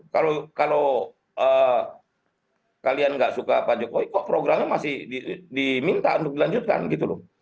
kalau kalian nggak suka pak jokowi kok programnya masih diminta untuk dilanjutkan gitu loh